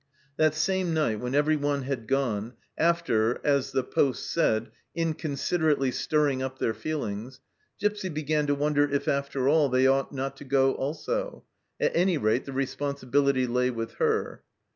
That same night, when everyone had gone, after as the poste said inconsiderately stirring up their feelings, Gipsy began to wonder if, after all, they ought not to go also ; at any rate, the respon sibility lay with her.